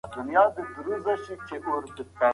ډاکټر میلرډ وايي، دوی د ځمکې سره ورته تګلوري لري.